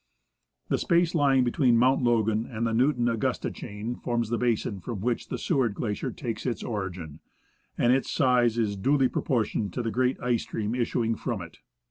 The space lying between Mount Logan and the Newton Augusta chain forms the basin from which the Seward Glacier takes its origin, and its size is duly proportioned to the great ice stream issuing from it.